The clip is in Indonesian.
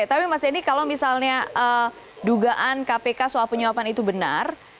tapi mas denny kalau misalnya dugaan kpk soal penyuapan itu benar